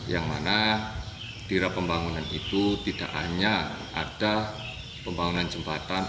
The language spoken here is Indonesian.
yang mana di rap pembangunan itu tidak hanya ada pembangunan jembatan